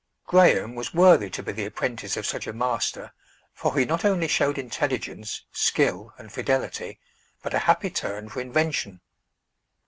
Graham was worthy to be the apprentice of such a master, for he not only showed intelligence, skill, and fidelity, but a happy turn for invention.